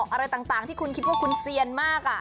อะไรต่างที่คุณคิดว่าคุณเซียนมาก